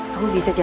kamu bisa jalan